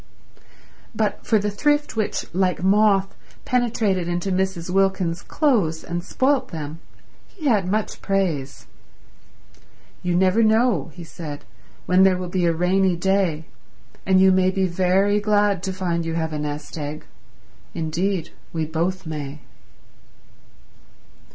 But for the thrift which, like moth, penetrated into Mrs. Wilkins's clothes and spoilt them, he had much praise. "You never know," he said, "when there will be a rainy day, and you may be very glad to find you have a nest egg. Indeed we both may."